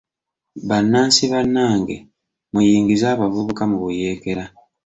Bannansi bannange muyingize abavubuka mu buyeekera.